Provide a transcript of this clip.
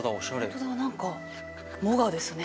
本当だ何かモガですね。